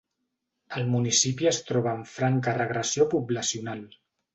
El municipi es troba en franca regressió poblacional.